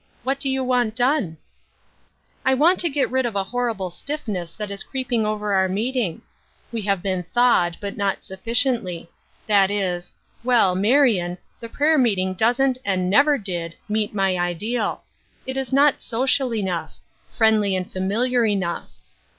What do you want done ?"" I want to get rid of a horrible stiffness that is creeping over our meeting. We have been thawed, but not sufficiently; that is — well, Marion, the prayer meeting doesn't and nevei did, meet my ideal. It is not social enough — From Different Standpoints, 93 friendly and familiar enough.